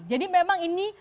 jadi memang ini